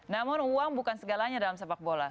namun uang bukan segalanya dalam sepak bola